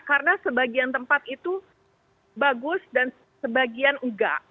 karena sebagian tempat itu bagus dan sebagian enggak